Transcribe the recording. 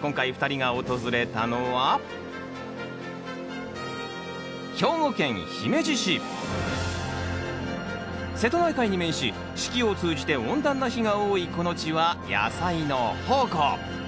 今回２人が訪れたのは瀬戸内海に面し四季を通じて温暖な日が多いこの地は野菜の宝庫。